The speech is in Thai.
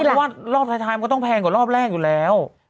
เพราะว่ารอบท้ายมันก็ต้องแพงกว่ารอบแรกอยู่แล้ว